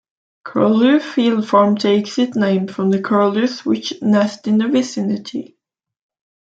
Curlew Field Farm Takes it name from the Curlews which nest in the Vicinity.